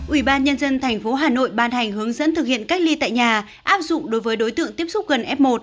ủy ban nhân dân tp hà nội ban hành hướng dẫn thực hiện cách ly tại nhà áp dụng đối với đối tượng tiếp xúc gần f một